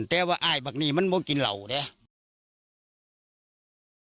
แต่ว่าอายแบบนี้มันก็กินเหล่าเนี่ย